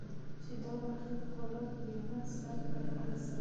چې دا برخې په خورا دیانت سرته ورسوي.